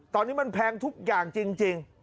ตอนนี้มันแพงทุกอย่างจริง